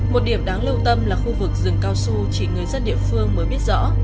một điểm đáng lưu tâm là khu vực rừng cao su chỉ người dân địa phương mới biết rõ